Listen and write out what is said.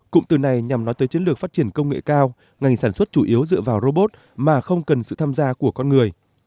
cụm từ này nhằm nói tới chiến lược phát triển công nghệ cao ngành sản xuất chủ yếu dựa vào robot mà không cần sự tham gia của con người